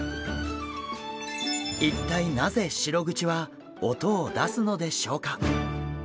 一体なぜシログチは音を出すのでしょうか。